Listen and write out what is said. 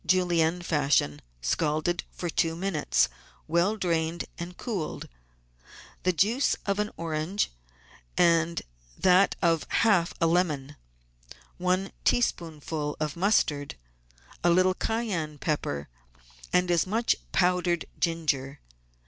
Julienne fashion, scalded for two minutes, well drained, and cooled), the juice of an orange and that of half a lemon, one teaspoonful of mustard, a little cayenne pepper, and as much powdered ginger.